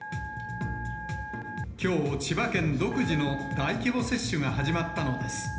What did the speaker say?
きょう、千葉県独自の大規模接種が始まったのです。